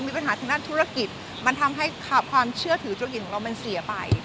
มีปัญหาทางด้านธุรกิจมันทำให้ความเชื่อถือธุรกิจของเรามันเสียไป